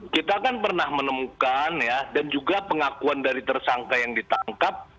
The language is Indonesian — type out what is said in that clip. kita kan pernah menemukan ya dan juga pengakuan dari tersangka yang ditangkap